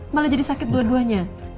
malah jadi sakit dua duanya